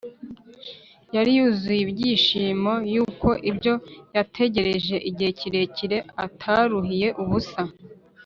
, yari yuzuye ibyishimo yuko ibyo yategereje igihe kirekire ataruhiye ubusa.